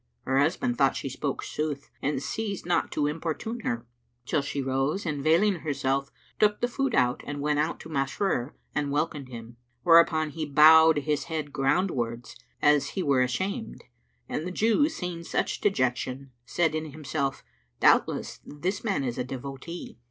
Her husband thought she spoke sooth and ceased not to importune her, till she rose and veiling herself, took the food and went out to Masrur and welcomed him; whereupon he bowed his head groundwards, as he were ashamed, and the Jew, seeing such dejection said in himself, "Doubtless, this man is a devotee."